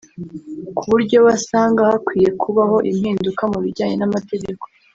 ku buryo we asanga hakwiye kubaho impinduka mu bijyanye n’amategeko